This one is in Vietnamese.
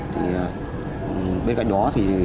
thì bên cạnh đó thì